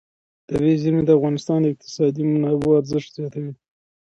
طبیعي زیرمې د افغانستان د اقتصادي منابعو ارزښت زیاتوي.